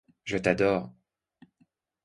Je t'adore!